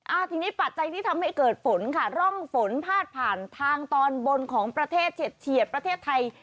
ทีนี้ปัจจัยที่ทำให้เกิดฝนค่ะร่องฝนพาดผ่านทางตอนบนของประเทศเฉียดประเทศไทย